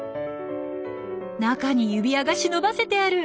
中に指輪が忍ばせてある！